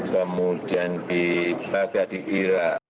kemudian di bagadi irak